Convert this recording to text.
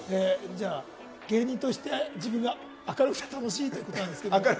じゃあ、芸人として自分が明るくて楽しいということなんですが。